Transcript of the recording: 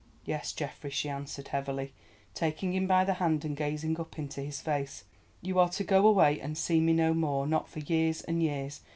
"Yes, Geoffrey," she answered heavily, taking him by the hand and gazing up into his face, "you are to go away and see me no more, not for years and years.